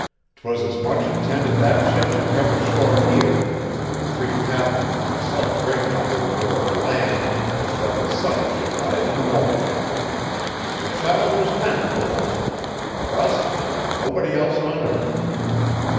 "'Twas as much intended that ship should come ashore here an' the three captains an' myself bring that little girl to land as that the sun should rise in the mornin'. The child was meant fur us fur us an' fur nobody else on earth.